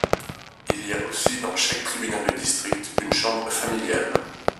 Il y a aussi, dans chaque tribunal de district, une chambre familiale.